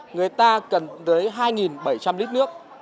người ta cần tới hai bảy trăm linh lít nước